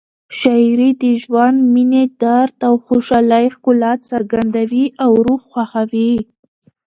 شاعري د ژوند، مینې، درد او خوشحالۍ ښکلا څرګندوي او روح خوښوي.